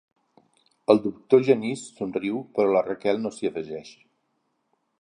El doctor Genís somriu, però la Raquel no s'hi afegeix.